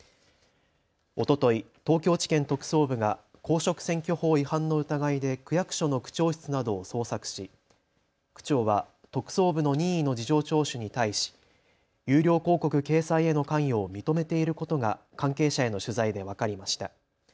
おととい東京地検特捜部が公職選挙法違反の疑いで区役所の区長室などを捜索し区長は特捜部の任意の事情聴取に対し有料広告掲載への関与を認めていることが関係者への取材で分かりました。